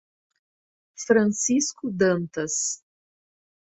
Francisco Dantas